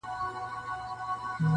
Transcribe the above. نن هغه توره د ورور په وينو سره ده-